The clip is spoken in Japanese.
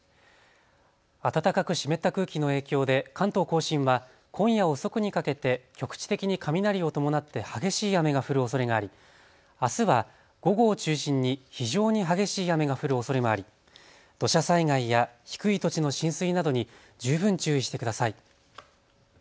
暖かく湿った空気の影響で関東甲信は今夜遅くにかけて局地的に雷を伴って激しい雨が降るおそれがあり、あすは午後を中心に非常に激しい雨が降るおそれもあり土砂災害や低い土地の浸水などに十分注意してください。